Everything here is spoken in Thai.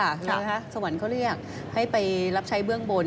ใช่ไหมคะสวรรค์เขาเรียกให้ไปรับใช้เบื้องบน